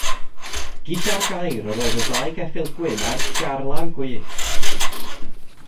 Gyda'r gair yr oedd y ddau geffyl gwyn ar garlam gwyllt.